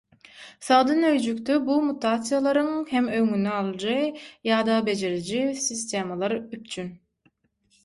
Sagdyn öýjükde bu mutasiýalaryň hem öňüni alyjy ýa-da bejeriji sistemalar üpjün.